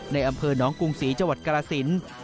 ในอำเภอน้องกรุงศรีจกรศิลป์